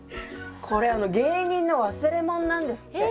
これ芸人の忘れ物なんですって。